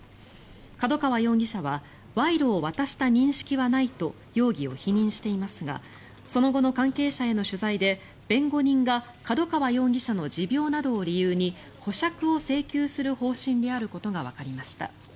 角川容疑者は賄賂を渡した認識はないと容疑を否認していますがその後の関係者への取材で弁護人が角川容疑者の持病などを理由に保釈を請求する方針であることがわかりました。